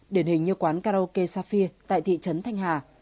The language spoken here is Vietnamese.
điển hình như quán karaoke safia tại thị trấn thanh hà